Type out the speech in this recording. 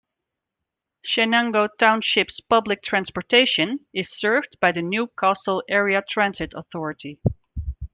Shenango Township's public transportation is served by the New Castle Area Transit Authority.